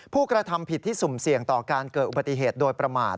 ผู้กระทำผิดที่สุ่มเสี่ยงต่อการเกิดอุบัติเหตุโดยประมาท